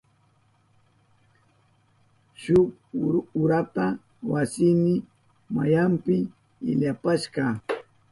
Shuk urata wasiyni mayanpi ilampashka.